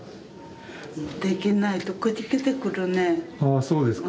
あそうですか。